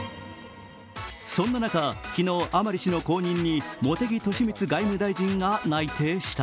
そんな中、昨日、甘利氏の後任に茂木敏充外務大臣が内定した。